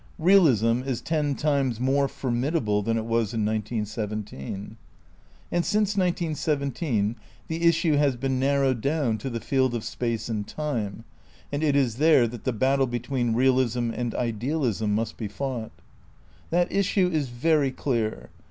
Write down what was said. Eealism is ten times more formidable than it was in 1917. And since 1917 the issue has been narrowed down to the field of Space and Time, and it is there that the battle between realism and idealism must be fought. That issue is very clear.